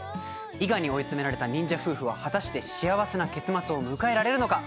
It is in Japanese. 伊賀に追い詰められた忍者夫婦は果たして幸せな結末を迎えられるのか？